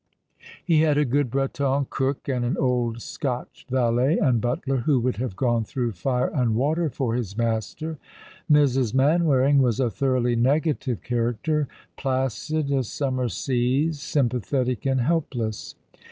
He had a good Breton cook, and an old Scotch valet and butler, who would have gone through fire and water for his master. Mrs. Manwaring was a thoroughly negative character, placid as summer seas, sympathetic and helpless.